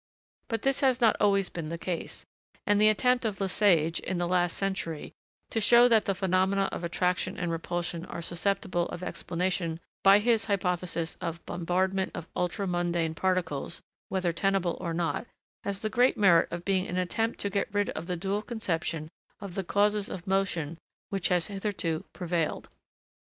But this has not always been the case; and the attempt of Le Sage, in the last century, to show that the phenomena of attraction and repulsion are susceptible of explanation by his hypothesis of bombardment by ultra mundane particles, whether tenable or not, has the great merit of being an attempt to get rid of the dual conception of the causes of motion which has hitherto prevailed.